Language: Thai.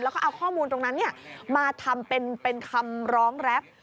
แล้วก็เอาข้อมูลตรงนั้นมาทำเป็นคำร้องแรป